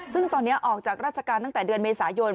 ซึ่งตอนนี้ออกจากราชการตั้งแต่เดือนเมษายน